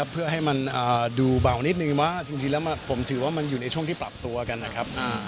เพื่อให้มันดูเบานิดนึงว่าจริงแล้วผมถือว่ามันอยู่ในช่วงที่ปรับตัวกันนะครับ